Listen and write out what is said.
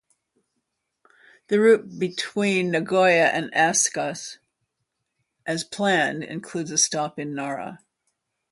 The route between Nagoya and Osaka as planned includes a stop in Nara.